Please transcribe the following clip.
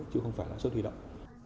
chứ không phải lãi suất huy động